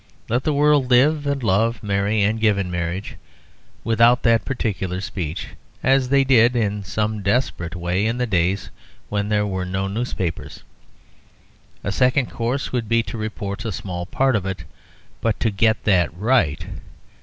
Let the world live and love, marry and give in marriage, without that particular speech, as they did (in some desperate way) in the days when there were no newspapers. A second course would be to report a small part of it; but to get that right.